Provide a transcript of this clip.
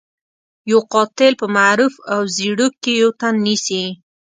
يو قاتل په معروف او زيړوک کې يو تن نيسي.